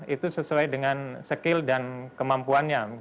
itu sesuai dengan skill dan kemampuannya